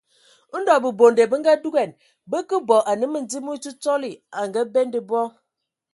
Ndɔ bəbonde bə ngadugan, bə kə bɔ anə Məndim mə Ntsotsɔli a ngabende bɔ.